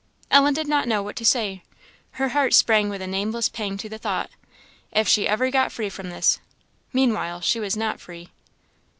Ellen did not know what to say, her heart sprang with a nameless pang to the thought, if she ever got free from this! Meanwhile she was not free.